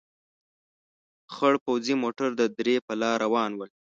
خړ پوځي موټر د درې په لار روان ول.